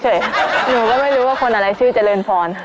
หนูก็ไม่รู้ว่าคนอะไรชื่อเจริญพร